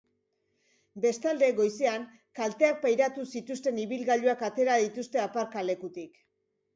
Bestalde, goizean, kalteak pairatu zituzten ibilgailuak atera dituzte aparkalekutik.